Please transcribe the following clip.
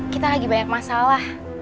kita lagi banyak masalah